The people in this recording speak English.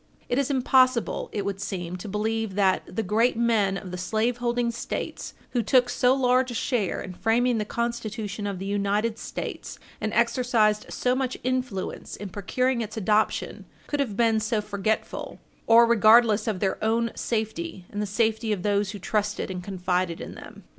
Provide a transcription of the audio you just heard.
It is impossible, it would seem, to believe that the great men of the slaveholding States, who took so large a share in framing the Constitution of the United States and exercised so much influence in procuring its adoption, could have been so forgetful or regardless of their own safety and the safety of those who trusted and confided in them.